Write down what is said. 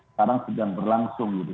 sekarang sedang berlangsung gitu